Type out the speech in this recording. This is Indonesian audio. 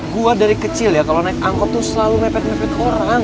gue dari kecil ya kalau naik angkot tuh selalu ngepet ngepet orang